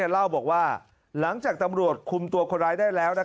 เล่าบอกว่าหลังจากตำรวจคุมตัวคนร้ายได้แล้ว